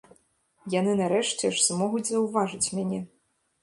Яны нарэшце ж змогуць заўважыць мяне.